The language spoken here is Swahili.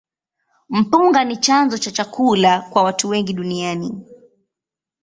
Mpunga ni chanzo cha chakula kwa watu wengi duniani.